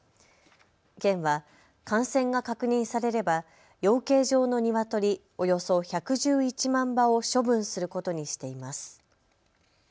県は感染が確認されれば養鶏場のニワトリおよそ１１１万羽を処分することにしています。